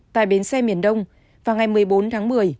tại bến xe miền đông vào ngày một mươi bốn tháng một mươi